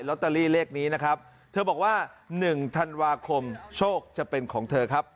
ตอรี่เลขนี้นะครับเธอบอกว่า๑ธันวาคมโชคจะเป็นของเธอครับ